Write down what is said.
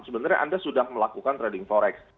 sebenarnya anda sudah melakukan trading forex